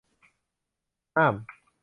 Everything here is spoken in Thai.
ห้าม